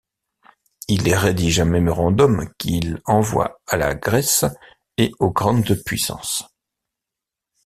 Ils rédigent un mémorandum qu'il envoient à la Grèce et aux grandes puissances.